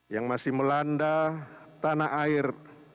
yang masih melanda tanah air